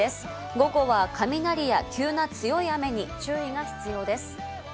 午後は雷や急な強い雨に注意が必要です。